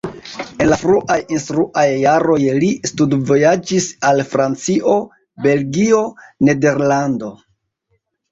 En la fruaj instruaj jaroj li studvojaĝis al Francio, Belgio, Nederlando.